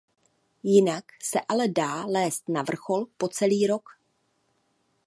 Jinak se ale dá lézt na vrchol po celý rok.